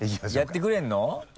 やってくれるの？